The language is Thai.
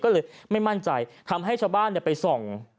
ก็เลยไม่มั่นใจทำให้ชาวบ้านไปส่อง